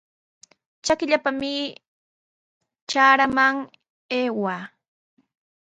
Trakipallami trakraman aywaa.